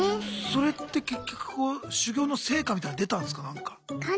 それって結局こう修行の成果みたいの出たんすかなんか。